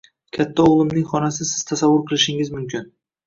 Katta o‘g‘limning xonasi siz tasavvur qilishingiz mumkin